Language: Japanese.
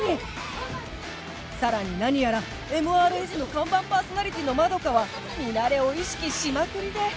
さらに何やら ＭＲＳ の看板パーソナリティーのまどかはミナレを意識しまくりで